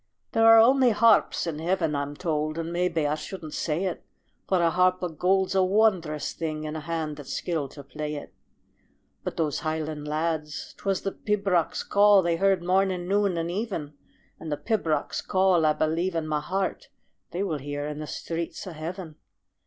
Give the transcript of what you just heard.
There are only harps in heaven, I'm told, And maybe I shouldn't say it, For a harp of gold's a wondrous thing In a hand that's skilled to play it. But those highland lads, 'twas the pibroch's call They heard morning, noon, and even, And the pibroch's call, I believe in my heart, They will hear in the streets of heaven.